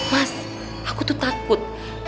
mas aku tuh takut